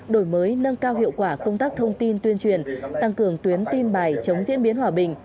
đổi mới nâng cao hiệu quả công tác thông tin tuyên truyền tăng cường tuyến tin bài chống diễn biến hòa bình